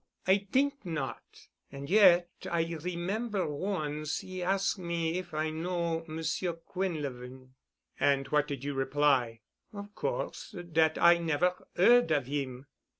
I t'ink not. And yet I remember once 'e ask' me if I know Monsieur Quinlevin." "And what did you reply?" "Of course, dat I never heard of 'im."